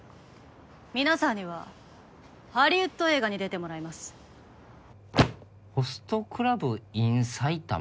皆さんにはハリウッド映画に出てもらいます「ホストクラブインサイタマ」？